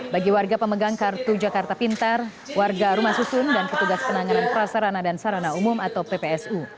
bagi warga pemegang kartu jakarta pintar warga rumah susun dan petugas penanganan prasarana dan sarana umum atau ppsu